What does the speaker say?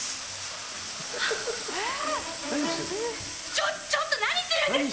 ちょ、ちょっと何してるんです！